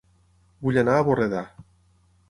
Vull anar a Borredà